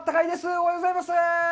おはようございます。